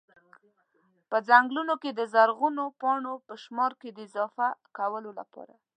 په ځنګلونو کي د زرغونو پاڼو په شمار کي د اضافه کولو لپاره